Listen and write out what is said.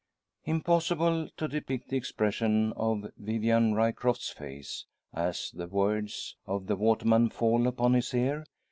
Impossible to depict the expression on Vivian Ryecroft's face, as the words of the waterman fall upon his ear.